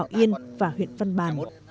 học viên bảo yên và huyện văn bà